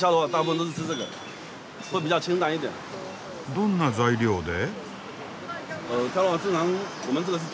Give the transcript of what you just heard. どんな材料で？